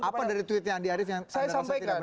apa dari tweetnya andi arief yang anda rasa tidak benar